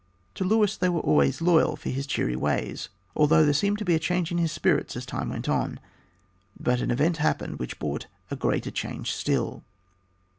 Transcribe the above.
To Luis they were always loyal for his cheery ways, although there seemed a change in his spirits as time went on. But an event happened which brought a greater change still.